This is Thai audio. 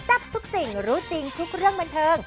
ทับทุกสิ่งรู้จริงทุกเรื่องบันเทิง